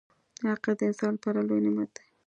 • عقل د انسان لپاره لوی نعمت دی.